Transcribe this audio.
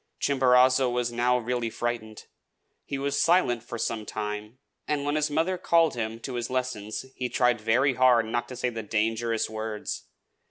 Chimborazo was now really frightened. He was silent for some time; and when his mother called him to his lessons he tried very hard not to say the dangerous words.